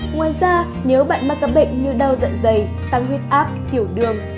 ngoài ra nếu bạn mắc các bệnh như đau dạn dày tăng huyết áp tiểu đường